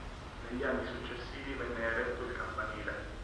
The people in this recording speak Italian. Negli anni successivi venne eretto il campanile.